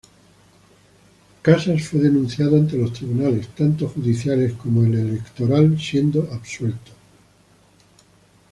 Casas fue denunciado ante los tribunales tanto judiciales como el electoral, siendo absuelto.